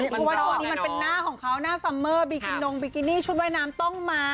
เพราะว่าช่วงนี้มันเป็นหน้าของเขาหน้าซัมเมอร์บีกินงบิกินี่ชุดว่ายน้ำต้องมา